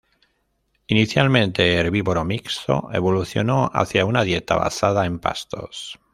Inicialmente herbívoro mixto, evolucionó hacia una dieta basada en pastos.